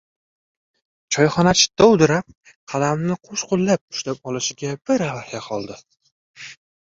Choyxonachi dovdirab, qalamni qo‘shqo‘llab ushlab olishga bir bahya qoldi.